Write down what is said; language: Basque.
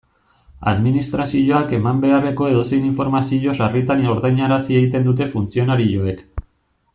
Administrazioak eman beharreko edozein informazio sarritan ordainarazi egiten dute funtzionarioek.